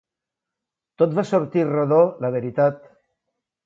Tot va sortir rodó, la veritat.